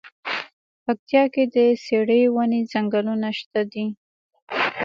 پکتيا کی د څیړۍ ونی ځنګلونه شته دی.